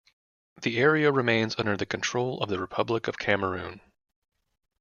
The area remains under the control of the Republic of Cameroon.